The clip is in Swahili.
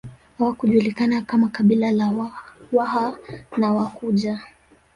Hawakujulikana kama kabila la Waha na hawakuja